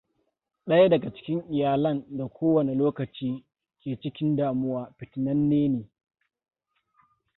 Ɗaya daga cikin iyalan da ko wane lokaci ke cikin damuwa fitinanne ne.